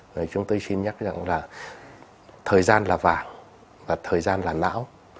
rồi chúng tôi xin nhắc rằng là thời gian là vàng và thời gian là não